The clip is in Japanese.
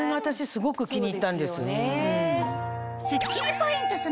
すごく気に入ったんです。